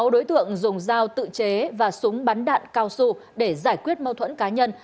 sáu đối tượng dùng dao tự chế và súng bắn đạn cao su để giải quyết mâu thuẫn cá nhân